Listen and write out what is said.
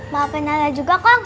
maafin alia juga kong